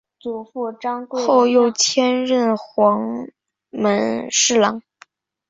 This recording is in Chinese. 后又迁任黄门侍郎。